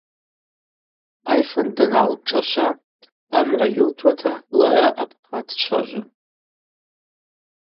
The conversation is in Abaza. Айфанд дангӏалпшӏашва, амгӏва йылтуата лара апхъа дчважватӏ.